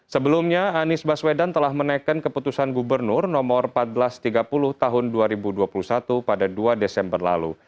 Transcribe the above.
sebelumnya anies baswedan telah menaikkan keputusan gubernur nomor seribu empat ratus tiga puluh tahun dua ribu dua puluh satu pada dua desember lalu